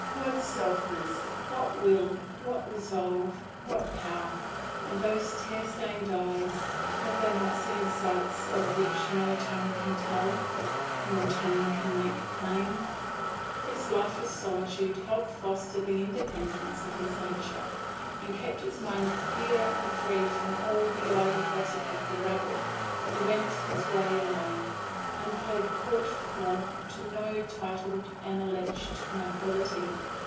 What selfness, what will, what resolve, what power! And those tear stained eyes have they not seen sights of which no tongue can tell, nor tongue make plain? His life of solitude helped foster the independence of his nature, and kept his mind clear and free from all the idle gossip of the rabble. He went his way alone, and played court fool to no titled and alleged nobility.